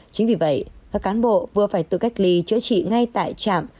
chính vì vậy các cán bộ vừa phải tự cách ly chữa trị ngay tại trạm